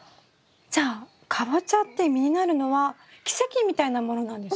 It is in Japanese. じゃあカボチャって実になるのは奇跡みたいなものなんですね。